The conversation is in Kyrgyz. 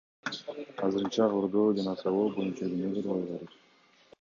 Азырынча кордоо жана сабоо боюнча күнөөлөр коюла элек.